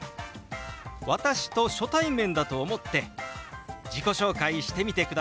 私と初対面だと思って自己紹介してみてください。